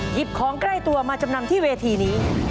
หยิบของใกล้ตัวมาจำนำที่เวทีนี้